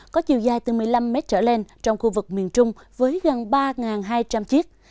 có chiều dài từ một mươi năm mét trở lên trong khu vực miền trung với gần ba hai trăm linh chiếc